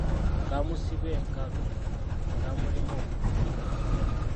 Kaamusiba enkalu, kaamulema okumegga.